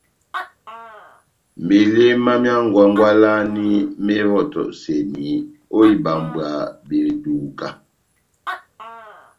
Meléma myá ngwangwalani méwɔtɔseni o ibambwa beduka.